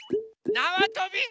なわとび？